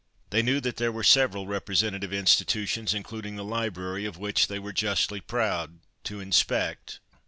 They knew that there were several representative institutions, including the library, of which they were justly proud, to inspect.